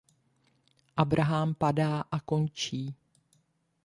Abrahám padá a končí.